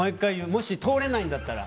もし通れないんだったら。